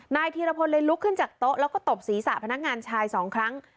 ธีรพลเลยลุกขึ้นจากโต๊ะแล้วก็ตบศีรษะพนักงานชายสองครั้ง